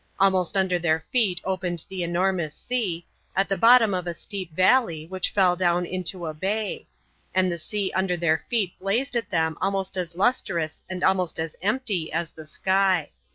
Almost under their feet opened the enormous sea, at the bottom of a steep valley which fell down into a bay; and the sea under their feet blazed at them almost as lustrous and almost as empty as the sky.